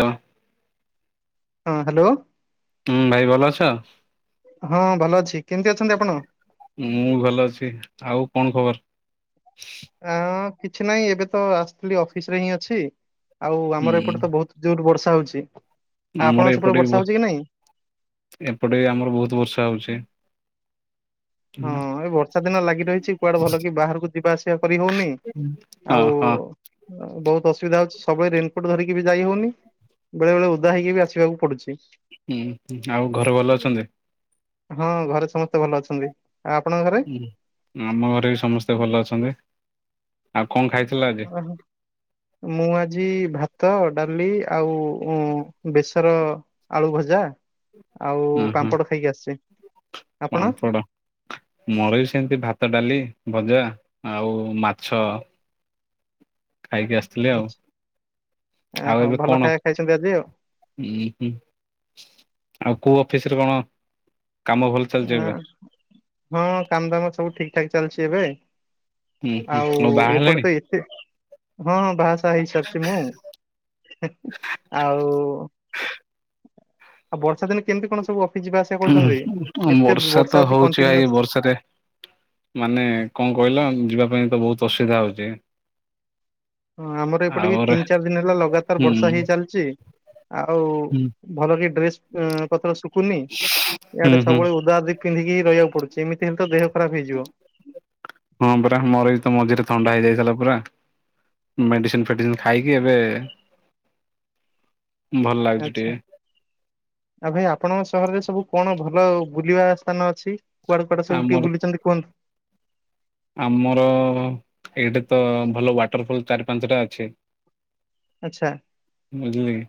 ଯା। ହଁ ହ୍ୟାଲୋ। ହୁଁ, ଭାଇ ଭଲ ଅଛ? ହଁ ଭଲ ଅଛି। କେମତି ଅଛନ୍ତି ଆପଣ? ମୁଁ ଭଲ ଅଛି। ଆଉ କଣ ଖବର? ଆଁ, କିଛି ନାହିଁ ଏବେ ତ ଆସିଥିଲି ଅଫିସ୍ ରେ ହିଁ ଅଛି। ଆଉ ଆମର ହୁଁ ଏପଟେ ତ ବହୁତ ଜୋର୍ ବର୍ଷା ହଉଛି। ଆ ଆମର ଆପଣଙ୍କ ସେପଟେ ଏପଟେ ବି ବର୍ଷା ହଉଚି କି ନାଇଁ? ଏପଟେ ଆମର ବହୁତ ବର୍ଷା ହଉଛି। ହଁ ଏ ବର୍ଷା ଦିନ ଲାଗି ରହିଚି କୁଆଡ଼େ, ଭଲ କି ବାହାରକୁ ଯିବା, ଆସିବା କରି ହେଉନି। ହଁ ଆଉ ହଁ ବହୁତ ଅସୁବିଧା ହେଉଛି। ସବୁବେଳେ ରେନକୋଟ୍ ଧରିକି ବି ଯାଇ ହଉନି। ବେଳେ ବେଳେ ଓଦା ହେଇକି ବି ଆସିବାକୁ ପଡ଼ୁଚି। ହୁଁ। ଆଉ ଘର ଭଲ ଅଛନ୍ତି? ହଁ ଘରେ ସମସ୍ତେ ଭଲ ଅଛନ୍ତି। ଆପଣଙ୍କ ଘରେ? ଆମ ଘରେ ବି ସମସ୍ତେ ଭଲ ଅଛନ୍ତି। ଆଉ କଣ ଖାଇଥ? ଓହୋ ମୁଁ ଆଜି ଭାତ, ଡ଼ାଲି, ଆଉ ଉଁ ବେସ। ତର ଆଳୁ ଭଜା ଆଉ ଉଁ ହୁଁ ପାମ୍ପଡ଼ ଖାଇକି ଆସିଚି। ପାମ୍ପଡ଼। ମୋର ବି ସେମତି ଭାତ, ଡ଼ାଲି, ଭଜା, ଆଉ ମାଛ। ଖାଇକି ଆସିଥିଲେ ଆଉ? ଆଁ ଆଉ ହୋ ଏବେ ଭଲ କଣ ଖାଇବା ଖାଇଛନ୍ତି ଆଜି ଆଉ? ଉଁ ହୁଁ ଆଉ କୋଉ ଅଫିସ୍ ରେ କଣ କାମ ଭଲ? ଚାଲିଛି ଆ ଏବେ? ହଁ। କାମ ଦାମ ସବୁ ଠିକ୍ ଠାକ୍ ଚାଲିଚି ଏବେ। ହୁଁ ହୁଁ ଆଉ ବାହା ଏପଟେ ହେଲେଣି? ତ ଏତେ ହଁ ବାହାଷାହା ହେଇ ସାରିଚି ମୁଁ ଆଉ ଆଉ ବର୍ଷା ଦିନେ କେମତି କଣ ସବୁ ଅଫିସ୍ ଯିବା, ଆସିବା କରୁଚନ୍ତି? ବର୍ଷା ତ ହେଉଚି ଭାଇ ବର୍ଷାରେ। ମାନେ କଣ କହିଲ? ଯିବା ପାଇଁ ତ ବହୁତ ଅସୁବିଧା ହେଉଚି। ହଁ ଆମର ଏପଟେ ବି ଆଉରେ ତିନ, ଚାରି ଦିନ ହେଲା ଲଗାତାର ହୁଁ ବର୍ଷା ହେଇ ହୁଁ ଚାଲିଚି ଆଉ। ଭଲ କି ଡ୍ରେସ୍ ଉଁ ପତ୍ର ଶୁଖୁନି ହୁଁ ଇଆଡେ ହୁଁ ସବୁବେଳେ ଓଦା ଓଧିକ୍‌। ପିନ୍ଧିକି ରହିବା ପଡ଼ୁଚି। ଏମତି ତ ଦେହ ଖରାପ୍ ହେଇଯିବ। ହଁ ପରା ମୋର ଏଇ ତ ମଝିରେ ଥଣ୍ଡା ହେଇଯାଇଥିଲା ପୁରା। ମେଡ଼ିସିନ୍, ଫେଡ଼ିସିନ୍ ଖାଇକି ଏବେ ଭଲ ଲାଗୁଛି ଟିକେ ଆଚ୍ଛା। ଆଉ କାଇଁ ଆପଣ ସହରରେ ସବୁ କଣ ଭଲ ବୁଲିବା ସ୍ଥାନ ଅଛି? କୁଆଡ଼େ କୁଆଡ଼େ ସବୁ ଟିକେ ଆମର ବୁଲିଚନ୍ତି କୁହନ୍ତୁ? ଆମର ଏଇଠି ତ ଭଲ ୱାଟରଫୁଲ୍ ଚାରି, ପାଞ୍ଚଟା ଅଛି। ଆଚ୍ଛା, ବୁଝିଲେ କି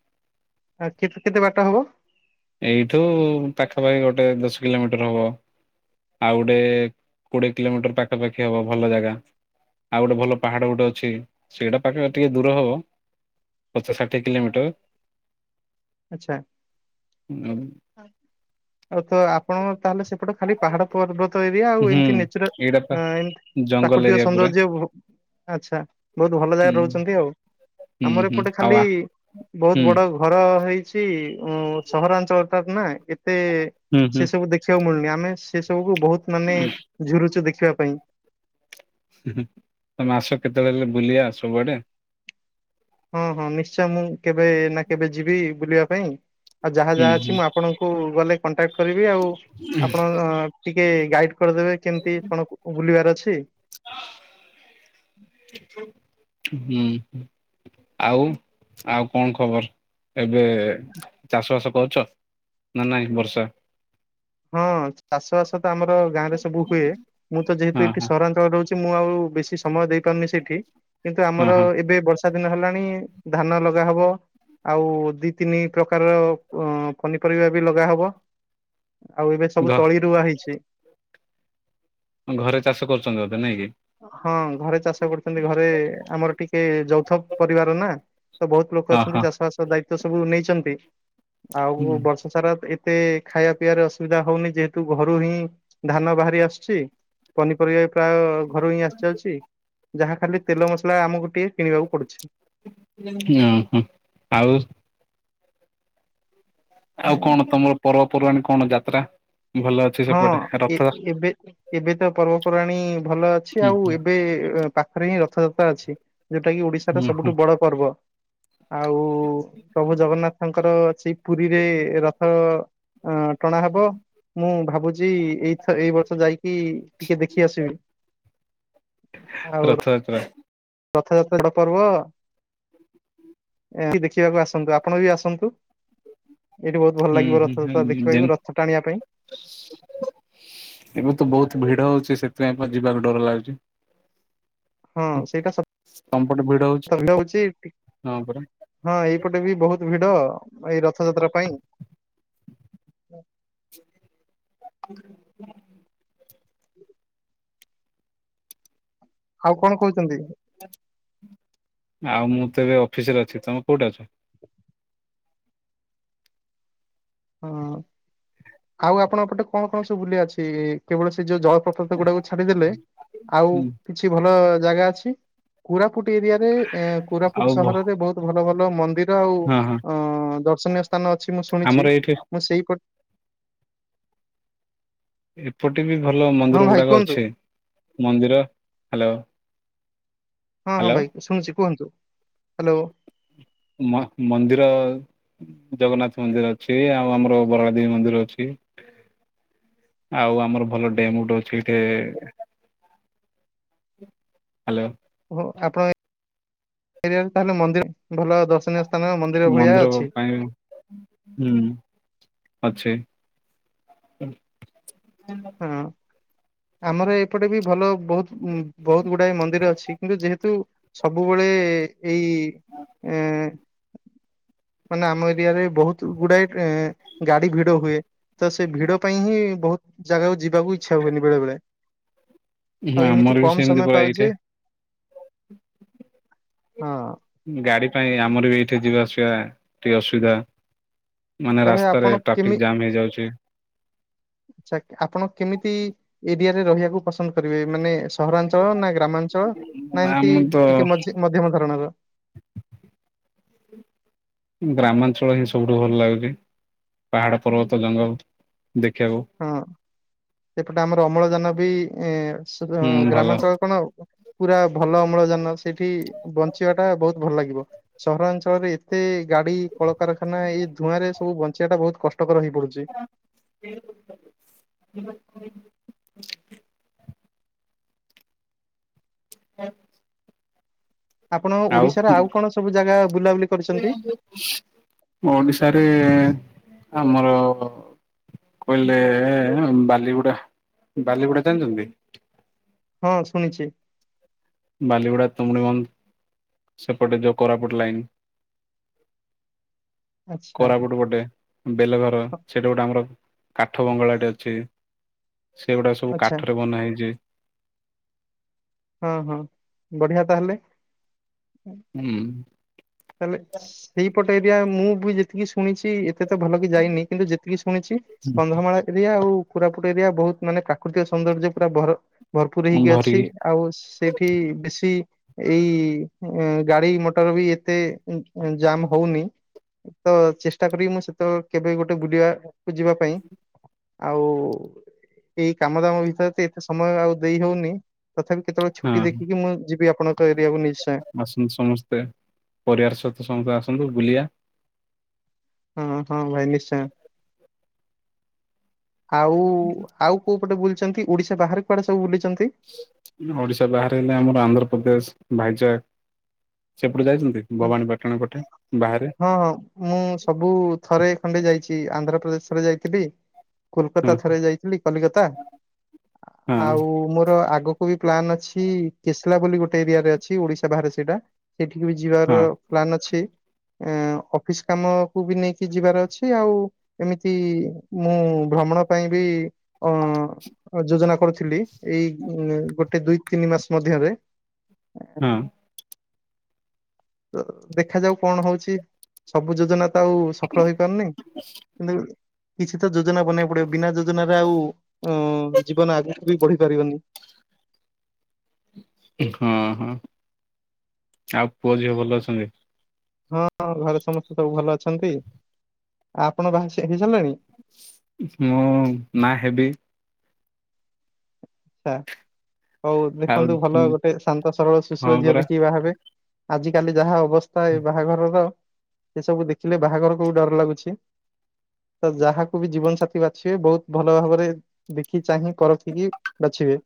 ଆ କେତେ କେତେ ବାଟା ହବ? ଏଇଠୁ ପାଖାପାଖି ଗୋଟେ ଦଶ କିଲୋମିଟର ହବ। ଆଉ ଗୋଟେ କୋଡ଼ିଏ କିଲୋମିଟର ପାଖାପାଖି ହବ, ଭଲ ଜାଗା। ଆଉ ଗୋଟେ ଭଲ ପାହାଡ଼ ଗୋଟେ ଅଛି ସେଇଟା ପାଖା ଟିକେ ଦୂର ହବ। ପଚାଶ, ଷାଠିଏ କିଲୋମିଟର। ଆଚ୍ଛା। ଆଉ? ଆଉ ତ ଆପଣ ତାହେଲେ ସେପଟେ ଖାଲିପ୍ ପାହାଡ଼, ପର୍ବତ ଏରିଆ ଆଉ ହୁଁ ଏମତି ନେଚୁରାଲ୍ ଏଇଟା ଏଁ, ଏମତି ଜଙ୍ଗଲ ପ୍ରାକୃତିକ ଏରିଆ ପୁରା ସୌନ୍ଦର୍ଯ୍ୟ ଭୋ ଆଚ୍ଛା ବହୁତ୍ ଭଲ ହୁଁ ଜାଗାରେ ରହୁଛନ୍ତି ଆଉ। ହୁଁ ଆମର ହୁଁ ଏପଟେ ଆଉ ଖାଲି ଆ ବହୁତ୍ ହୁଁ ବଡ଼ ଘର ହେଇଚି ଉଁ ସହରଆଞ୍ଚଳଟାରେ ନା ଏତେ ହୁଁ ହୁଁ ସେ ସବୁ ଦେଖି ସେଉ ମିଳୁନି। ଆମେ ସେ ସବୁକୁୁ ବହୁତ୍ ମାନେ ଝୁରୁଚୁ ଦେଖିବା ପାଇଁ। ତମେ ଆସିବ କେତେବେଳେ? ହେଲେ ବୁଲି ଆସିବ କୁଆଡ଼େ? ହଁ ହଁ ନିଶ୍ଚୟ। ମୁଁ କେବେ ନା କେବେ ଯିବି ବୁଲିବା ପାଇଁ। ଆଉ ଯାହା ହୁଁ ଯାହା ଅଛି ହୁଁ ମୁଁ ଆପଣଙ୍କୁ ଗଲେ କଣ୍ଟାକ୍ଟ କରିବି। ଆଉ ଆପଣ? ଟିକେ ଗାଇଟ୍ କରିଦେବେ କେମିତି କଣ ବୁଲିବାର ଅଛି। ହୁଁ। ଆଉ ଆଉ କଣ ଖବର? ଏବେ ଚାଷ ବାସ କରୁଛ ନା ନାଇଁ ବର୍ଷା? ହଁ ଚାଷ ବାସ ତ ଆମର ଗାଁ ରେ ସବୁ ହୁଏ ମୁଁ ତ ଯେହେତୁ ହଁ ଏଠି ହଁ ସର ମୁଁ ଆଉ ବେଶୀ ସମୟ ଦେଇ ପାରୁନି ସେଠି କିନ୍ତୁ ହଁ ଆମର ହଁ ଏବେ ବଷ ର୍ଷା ଦିନ ହେଲାଣି ଧାନ ଲଗା ହବ। ଆଉ ଦି ତିନି ପ୍ରକାରର ଅ ପନିପରିବା ବି ଲଗା ହବ। ଆଉ ଏବେ ସବୁ ତଳି ରୁଆ ହେଇଛି। ଘରେ ଚାଷ କରୁଛନ୍ତି ବୋଧେ ନାଇଁ କି? ହଁ ଘରେ ଚାଷ କରୁଛନ୍ତି ଘରେ ଆମର ଟିକେ ଯୌଥ ପରିବାର ନା ତ ବହୁତ୍ ଲୋକ ହଁ ଅଛନ୍ତି ହଁ ଚାଷ ବାସ ଦାୟିତ୍ଵ ସବୁ ନେଇଛନ୍ତି ଆଉ ହୁଁ ବର୍ଷ ସାରା ଏତେ ଖାଇବା ପିଇବାରେ ଅସୁବିଧା ହଉନି ଯେହେତୁ ଘରୁ ହିଁ ଧାନ ବାହାରି ଆସୁଛି ପନିପରିବା ବି ପ୍ରାୟ ଘରୁ ହିଁ ଆସି ଯାଉଛି ଯାହା ଖାଲି ତେଲ ମସଲା ଆମକୁ ଟିକେ କିଣିବାକୁ ପଡୁଛି। ହୁଁ ହୁଁ ଆଉ? ଆଉ କଣ ତମର ପର୍ବପର୍ବାଣୀ କଣ ଯାତ୍ରା? ଭଲ ଅଛି ହଁ ସେପଟେ ରଥ ଏବେ ଏବେ ତ ପର୍ବପର୍ବାଣିୀ ଭଲ ଅଛି ହୁଁ ଆଉ ଏବେ ପା ଖରେ ହିଁ ରଥଯାତ୍ରା ଅଛି ଯୋଉଟା କି ଓଡିଶାର ହୁଁ ହୁଁ ସବୁଠୁ ବଡ ପର୍ବ ଆଉ ପ୍ରଭୁ ଜଗନ୍ନାଥଙ୍କର ଅଛି ପୁରୀରେ ରଥ ଅ ଟଣା ହବ। ମୁଁ ଭାବୁଛି ଏଇଥର ଏଇ ବର୍ଷ ଯାଇକି ଟିକେ ଦେଖି ଆସିବି। ଆଉ ରଥଯାତ୍ରା। ରଥଯାତ୍ରା ଏକ ପର୍ବ? ଏହା ଦେଖିବାକୁ ଆସନ୍ତୁ ଆପଣ ବି ଆସନ୍ତୁ। ଏଇଠି ବହୁତ୍ ଭଲ ହୁଁ ଲାଗିବ ରଥ ଯାତ୍ରା ହୁଁ ଦେଖିବାକୁ ରଥ ଟାଣିବା ପାଇଁ। ଏବେ ତ ବହୁତ୍ ଭିଡ ହଉଛି ସେଥିପାଇଁ ଯିବାକୁ ଡର ଲାଗୁଛି। ହଁ ସେଇଟା ତମ ପଟେ ଭିଡ ହଉଛି ସତ ଭିଡ଼ହଉଛି ହଁ ପରା ହଁ ଏଇପଟେ ବି ବହୁତ୍ ଭିଡ ଏଇ ରଥଯାତ୍ରା ପାଇଁ ଆଉ କଣ କହୁଛନ୍ତି? ଆଉ ମୁଁ ତ ଏବେ ଅଫିସ୍ ରେ ଅଛି ତମେ କୋଉଠି ଅଛ? ହଁ ଆଉ ଆପଣଙ୍କ ପଟେ କଣ କଣ ସବୁ ବୁଲିଆ ଅଛି କେବଳ ସେ ଯୋଉ ଝ [unintelligible] ଗୁଡାକୁ ଛାଡିଦେଲେ ଆଉ ହୁଁ। କିଛି ଭଲ ଜାଗା ଅଛି? କୋରାପୁଟ ଏରିଆରେ ଆଉ କୋରାପୁଟ ଭ ସହରରେ ବହୁତ୍ ଭଲ ଭଲ ମନ୍ଦିର ଆଉ ହଁ ହଁ ଅ ଦର୍ଶନୀୟ ସ୍ଥାନ ଅଛି ମୁଁ ଶୁଣିଛି ଆମର ଏଇଠି ମୁଁ ସେଇପ ଏପଟେ ବି ଭଲ ହଁ ମନ୍ଦିର ଭାଇ ଗୁଡ଼ାକ କୁହନ୍ତୁ ଅଛି ମନ୍ଦିର ହାଲୋ। ହଁ ହଁ ଭାଇ ଶୁଣୁଛି କୁହନ୍ତୁ ହାଲୋ। ମ ମନ୍ଦିର ଜଗନ୍ନାଥ ମନ୍ଦିର ଅଛି ଆଉ ଆମର ବରାଳଦେବୀ ମନ୍ଦିର ଅଛି। ଆଉ ଆମର ଭଲ ଡ୍ୟମ୍ ଗୋଟେ ଅଛି ଏଠେ ହାଲୋ। ହଉ ଆପଣ ଏରିଆରେ ତାହେଲେ ମନ୍ଦିର ଭଲ ଦର୍ଶନୀୟ ସ୍ଥାନ ମନ୍ଦିର ଭଳିଆ ଅଛି। ହୁଁ ଅଛି। ହୁଁ। ଆମର ଏପଟେ ବି ଭଲ ବହୁତ ବହୁତ ଗୁଡାଏ ମନ୍ଦିର ଅଛି କିନ୍ତୁ ଯେହେତୁ ସବୁବେଳେ ଏଇ ଏ ମାନେ ଆମ ଏରିଆ ରେ ବହୁତ ଗୁଡ଼ାଏ ଏ ଗାଡ଼ି ଭିଡ଼ ହୁଏ। ତ ସେ ଭିଡ଼ ପାଇଁ ହିଁ ବହୁତ ଜାଗାକୁ ଯିବାକୁ ଇଚ୍ଛା ହୁଏନି ବେଳେବେଳେ। ହଁ ଆଉ ଏମିତି ଆମର ବି କମ୍ ସେମିତି ସମୟ ପୁରା ଏଇଠି ପାଉଛି, ହଁ ଗାଡ଼ି ପାଇଁ ଆମର ବି ଏଇଠି ଯିବା ଆସିବା ଟିକେ ଅସୁବିଧା। ମାନେ ତ ଭାଇ ରାସ୍ତାରେ ଆପଣ କେମି ଟ୍ରାଫିକ ଜାମ୍ ହେଇଯାଉଛି। ଆ ଆପଣ କେମିତି ଏରିଆରେ ରହିବାକୁ ପସନ୍ଦ କରିବେ ମାନେ ସହରାଞ୍ଚଳ ନା ଗ୍ରାମାଞ୍ଚଳ ନା ଏମିତି ଆମେ ତ ଟିକେ ମଝି ମଧ୍ୟମ ଧରଣର? ଗ୍ରାମାଞ୍ଚଳ ହିଁ ସବୁଠୁ ଭଲ ଲାଗୁଛି ପାହାଡ଼, ପର୍ବତ, ଜଙ୍ଗଲ ଦେଖିବାକୁ। ହଁ ସେପଟେ ଆମର ଅମ୍ଳଜାନ ବି ଏ ସେ ହୁଁ ଭଲ ଗ୍ରାମାଞ୍ଚଳରେ କଣ ହେବ ପୁରା ଭଲ ଅମ୍ଳଜାନ ସେଇଠି ବଞ୍ଚିବା ଟା ବହୁତ ଭଲ ଲାଗିବ। ସହରାଞ୍ଚଳରେ ଏତେ ଗାଡି କଳକାରଖାନା ଏଇ ଧୂଆଁ ରେ ସବୁ ବଞ୍ଚେଇବା ଟା ବହୁତ କଷ କଟକର ହେଇ [unintelligible] [unintelligible] [unintelligible] ଆପଣ ଓଡ଼ିଶାରେ ଆଉ କଣ ସବୁ ଜାଗା ବୁଲାବୁଲି କରିଛନ୍ତି? ଓଡ଼ିଶାରେ ଆମର କହିଲେ ବାଲିଗୁଡା, ବାଲିଗୁଡା ଜାଣିଛନ୍ତି? ହଁ ଶୁଣିଛି। ବାଲିଗୁଡ଼ା ତୁମୁଡ଼ିମ୍ଜ ସେପଟେ ଯେଉଁ କୋରାପୁଟ ଲାଇନ୍ [inaudible] କୋରାପୁଟ ଗୋଟେ ବେଲଘର ସେଠା ଗୋଟେ ଆମର କାଠ ବଙ୍ଗଳାଟେ ଅଛି। ସେଗୁଡ଼ାକ ସବୁ ଆଚ୍ଛା କାଠରେ ବନା ହେଇଛି। ହଁ, ହଁ ବଢ଼ିଆ ତାହେଲେ। ହୁଁ। ତାହେଲେ ସେଇପଟେ ଏରିଆ ମୁଁ ବି ଯେତିକି ଶୁଣିଛି ଏତେ ତ ଭଲ କି ଯାଇନି କିନ୍ତୁ ଯେତିକି ଶୁଣିଛି କନ୍ଧମାଳ ଏରିଆ ଆଉ କୋରାପୁଟ ଏରିଆ ବହୁତ ମାନେ ପ୍ରାକୃତିକ ସୌନ୍ଦର୍ଯ୍ୟ ପୁରା ଭର ଭରପୁର ହେଇକି ଅଛି। ଭରିକି ଆଉ ସେଇଠି ବେଶୀ ଏଇ ଗାଡି ମଟର ବି ଏତେ ଜାମ୍ ହଉନି। ତ ଚେଷ୍ଟା କରିବି ମୁଁ ସେତେବେଳେ କେବେ ଗୋଟେ ବୁଲିବାକୁ ଯିବା ପାଇଁ। ଆଉ ଏଇ କାମ ଦାମ ଭିତରେ ତ ଏତେ ସମୟ ଆଉ ଦେଇ ହଉନି। ତଥାପି କେତେବେଳେ ହଁ ଛୁଟି ଦେଖିକି ମୁଁ ଯିବି ଆପଣଙ୍କ ଏରିଆକୁ ନିଶ୍ଚୟ। ଆସନ୍ତୁ ସମସ୍ତେ ପରିବାର ସହିତ ସମସ୍ତେ ଆସନ୍ତୁ ବୁଲିବା। ହଁ, ହଁ ଭାଇ ନିଶ୍ଚୟ। ଆଉ ଆଉ କୋଉ ପଟେ ବୁଲିଛନ୍ତି ଓଡ଼ିଶା ବାହାରେ କୁଆଡ଼େ ସବୁ ବୁଲିଛନ୍ତି? ଓଡିଶା ବାହାରେ ହେଲେ ଆମର ଆନ୍ଧ୍ରପ୍ରଦେଶ, ଭାଇଜାକ୍ ସେପଟେ ଯାଇଛନ୍ତି? ହ, ଭବାନୀ ପାଟଣା ପଟେ ବାହାରେ ହଁ, ହଁ। ମୁଁ ସବୁ ଥରେ ଖଣ୍ଡେ ଯାଇଛି ଆନ୍ଧ୍ରପ୍ରଦେଶ ଥରେ ଯାଇଥିଲି। ହଁ କୋଲକାତା ଥରେ ଯାଇଥିଲି କଲିକତା ହଁ ଆଉ ମୋର ଆଗ କୁ ବି ପ୍ଲାନ୍ ଅଛି କେସଲା ବୋଲି ଗୋଟେ ଏରିଆରେ ଅଛି ଓଡ଼ିଶା ବାହାରେ ସେଇଟା ସେଠିକି ବି ଯିବାର ହଁ। ପ୍ଲାନ୍ ଅଛି ଅଫିସ କାମକୁ ବି ନେଇକି ଯିବାର ଅଛି ଆଉ ଏମିତି ମୁଁ ଭ୍ରମଣ ପାଇଁ ବି ଅ ଯୋଜନା କରୁଥିଲି ଏଇ ଗୋଟେ ଦୁଇ ତିନି ମାସ ମଧ୍ୟରେ ହଁ। ତ ଦେଖାାଯାଉ କଣ ହୋଉଛି। ସବୁ ଯୋଜନା ତ ଆଉ ସଫଳ ହେଇପାରୁନି କିନ୍ତୁ କିଛି ତ ଯୋଜନା ବନେଇକୁ ପଡିବ ବିନା ଯୋଜନାରେ ଆଉ ଉଁ ଜୀବନ ଆଗୁକୁ ବି ବଢି ପାରିବନି। ହଁ ହଁ ଆଉ ପୁଅ ଝିଅ ଭଲ ଅଛନ୍ତି। ହଁ ଘରେ ସମସ୍ତେ ସବୁ ଭଲ ଅଛନ୍ତି ଆପଣ [unintelligible] ହେଇ ସାରିଲେଣି। ମୁଁ ନା ହେବି। ଆଛା ହୋଉ ଆଉ ଦେଖନ୍ତୁ ଭଲ ଗୋଟେ ଶାନ୍ତ ସରଳ ହଁ ଶୁଶ୍ରଳ ଝିଅ ପରା ଦେଖିକି ବାହା ହେବେ। ଆଜ କାଲି ଯାହା ଅବସ୍ଥା ଏଇ ବାହାଘରର ସେ ସବୁ ଦେଖିଲେ ବାହାଘରକୁ ବି ଡର ଲାଗୁଛି। ତ ଯାହାକୁ ବି ଜୀବନ ସାଥିୀ ବାଛିବେ ବୋହୁତ ଭଲ ଭାବରେ ଦେଖି ଚାହିଁ ପରଖିକି ବାଛିବେ।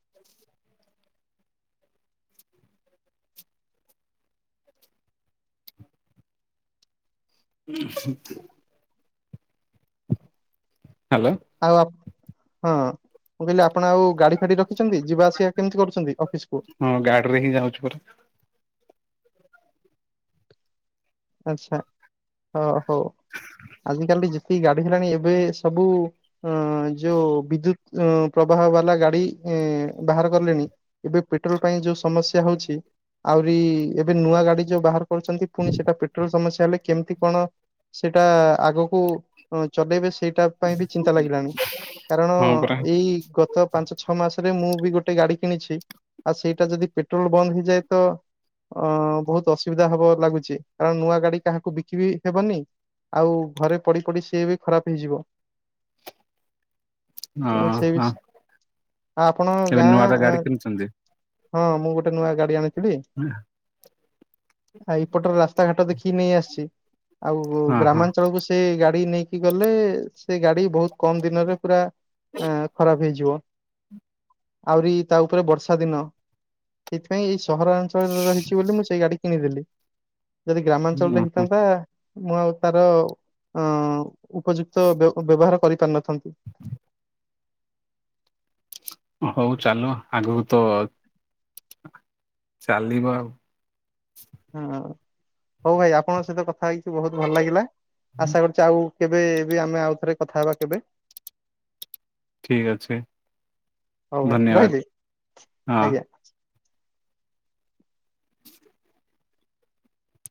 [unintelligible] ହାଲୋ। ଆଉ ଆ ହଁ ମୁଁ କହିଲି ଆପଣ ଆଉ ଗାଡି ଫାଡି ରଖିଛନ୍ତି ଯିବା ଆସିବା କେମିତି କରୁଛନ୍ତି ଅଫିସ କୁ। ହଁ ଗାଡି ରେ ହିଁ ଯାଉଛି ପରା। ଆଚ୍ଛା ହଁ ହଉ ଆଜିକାଲି ଯେତିକି ଗାଡ଼ି ହେଲାଣି ଏବେ ସବୁ ଅଁ ଯୋଉ ବିଦ୍ୟୁତ ପ୍ରବାହ ବାଲା ଗାଡ଼ି ବାହାର କଲେଣି ଏବେ ପେଟ୍ରୋଲ ପାଇଁ ଯୋଉ ସମସ୍ୟା ହୋଉଛି ଆହୁରି ଏବେ ନୂଆ ଗାଡ଼ି ଯୋଉ ବାହାର କରୁଛନ୍ତି ଫୁଣି ସେଟା ପେ ସମସ୍ୟା ହେଲେ କେମିତି କଣ ସେଇଟା ଆଗକୁ ଚଲେଇବେ ସେଇଟା ପାଇଁ ବି ଚିନ୍ତା ଲାଗିଲାଣି କାରଣ ହଁ ପରା ଏଇ ଗ ଗତ ପାଞ୍ଚ ଛଅ ମାସରେ ମୁଁ ବି ଗୋଟେ ଗାଡ଼ି କିଣିଛି ଆଉ ସେଇଟା ଯଦି ପେଟ୍ରୋଲ ବନ୍ଦ ହେଇଯାଏ ତ ଅଁ ବୋହୁତ୍ ଅସୁବିଧା ହବ ଲାଗୁଚି କାରଣ ନୂଆ ଗାଡ଼ି କାହାକୁ ବିକିିବି ହେବନି ଆଉ ଘରେ ପଡ଼ି ପଡ଼ି ସିଏ ବି ଖରାପ୍ ହେଇଯିବ। ତେଣୁ ସେ ବି ଅହଁ। ଆପଣ ଏବେ ଗାଁ ନୂଆ ଟେ ଗାଡ଼ି କିଣିଚନ୍ତି। ହଁ ମୁଁ ଗୋଟେ ନୂଆ ଗାଡ଼ି ଆଣିଥିଲି। [inaudible] ଆ ଏଇ ପଟରେ ରାସ୍ତାଘାଟ ଦେଖିକି ନେଇ ଆସିଚି ଆଉ ହଁ ହଁ ଗ୍ରାମାଞ୍ଚଳକୁ ସେ ଗାଡ଼ି ନେଇକି ଗଲେ ସେ ଗାଡ଼ି ବୋହୁତ୍ କମ ଦିନରେ ପୁରା ଏଁ ଖରାପ୍ ହେଇଯିବ ଆହୁରି ତା ଉପରେ ବର୍ଷା ଦିନ। ସେଇଥିପାଇଁ ଏଇ ସହର ଅଞ୍ଚଳରେ ରହିଚି ବୋଲି ମୁଁ ସେଇ ଗାଡ଼ି କିଣିଦେଲି। ଯଦି ଗ୍ରାମାଞ୍ଚଳରେ ଉଁ ହୁଁ ହେଇଥାନ୍ତା ମୁଁ ଆଉ ତାର ଅଁ ଉପଯୁକ୍ତ ବେ ବ୍ୟବହାର କରିପାରିିନଥାନ୍ତି। ହୋଉ ଚାଲୁ ଆଗୁକୁ ତ ଚାଲିବ ଆଉ। ହୁଁ ହୋଉ ଭାଇ ଆପଣଙ୍କ ସହିତ କଥା ହେଇଚି ବୋହୁତ୍ ଭଲ ଲାଗିଲା ଆଶା କରୁଚି ଆଉ କେବେ ଏବେ ଆମେ ଆଉ ଥରେ କଥା ହେବା କେବେ। ଠିକ ଅଛି ହୋଉ ଭାଇ ଧନ୍ୟବାଦ ରହିଲି ହଁ। ଆଜ୍ଞା।